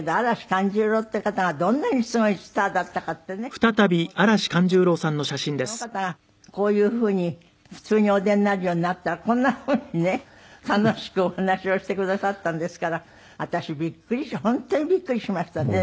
その方がこういうふうに普通にお出になるようになったらこんなふうにね楽しくお話をしてくださったんですから私びっくりして本当にびっくりしましたね。